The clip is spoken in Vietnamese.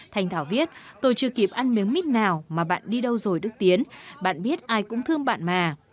thành thảo viết tôi chưa kịp ăn miếng mít nào mà bạn đi đâu rồi đức tiến bạn biết ai cũng thương bạn mà